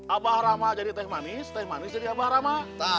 abah arama jadi teh manis teh manis jadi abah arama